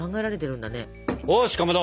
よしかまど！